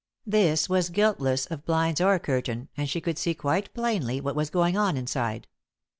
This was guiltless of blinds or curtain, and she could see quite plainly what was going on inside.